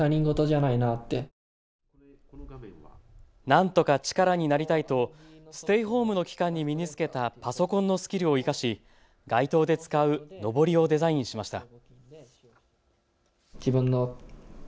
なんとか力になりたいとステイホームの期間に身につけたパソコンのスキルを生かし街頭で使う、のぼりをデザインしました。